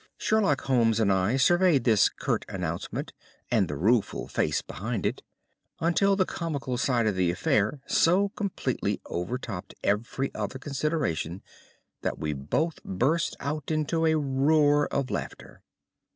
Sherlock Holmes and I surveyed this curt announcement and the rueful face behind it, until the comical side of the affair so completely overtopped every other consideration that we both burst out into a roar of laughter.